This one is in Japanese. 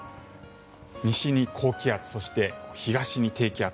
西に高気圧、そして東に低気圧。